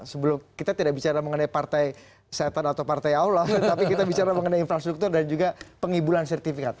sebelum kita tidak bicara mengenai partai setan atau partai allah tapi kita bicara mengenai infrastruktur dan juga pengibulan sertifikat